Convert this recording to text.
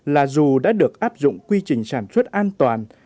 là dù đã được áp dụng quy trình sản xuất an toàn